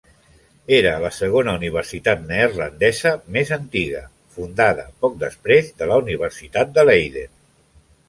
Era la segona universitat neerlandesa més antiga, fundada poc després de la Universitat de Leiden.